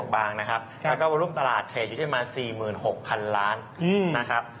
บางนะครับแล้วก็มาร่วมตลาดเทรดอยู่ที่ประมาณ๔๖๐๐๐ล้านนะครับ